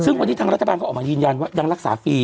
ซึ่งวันนี้ทางรัฐบาลเขาออกมายืนยันว่ายังรักษาฟรี